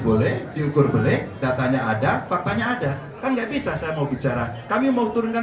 boleh diukur belik datanya ada faktanya ada kan nggak bisa saya mau bicara kami mau turunkan